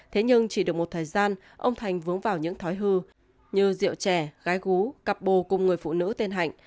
thế nhưng chỉ được một thời gian ông thành vướng vào những thói hư như rượu trẻ gái gú cặp bồ cùng người phụ nữ tên hạnh